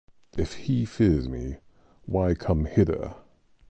If he fears me, why come hither?